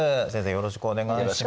よろしくお願いします。